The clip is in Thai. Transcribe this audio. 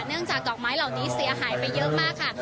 จากดอกไม้เหล่านี้เสียหายไปเยอะมากค่ะ